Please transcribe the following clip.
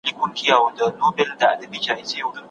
په ځینو ځایونو کي د لارښود ټاکل د محصل په خوښه وي.